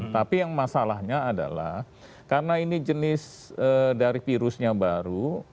tapi yang masalahnya adalah karena ini jenis dari virusnya baru